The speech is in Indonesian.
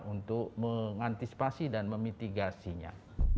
untuk mengantisipasi dan memitigasinya